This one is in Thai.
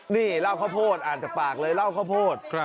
นี่เล่าข้าวโพดอ่านจากปากเลยเหล้าข้าวโพด